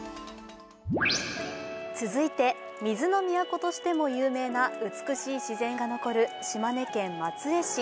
続いて、水の都としても有名な、美しい自然の残る島根県松江市。